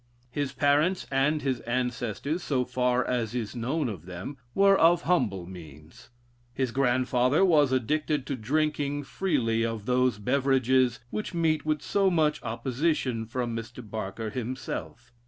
His parents, and his ancestors, so far as is known of them, were of humble means. His grandfather was addicted to drinking freely of those beverages which meet with so much opposition from Mr. Barker himself.